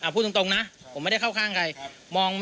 พูดตรงนะผมไม่ได้เข้าข้างใคร